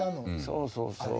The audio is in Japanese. そうそうそう。